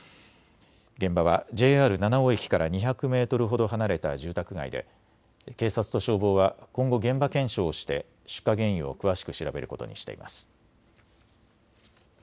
現場はＪＲ七尾駅から２００メートルほど離れた住宅街で警察と消防は今後、現場検証をして出火原因を詳しく調べることにしています。